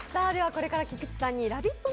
これから菊池さんに「ラヴィット！」